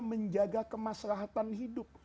menjaga kemaslahatan hidup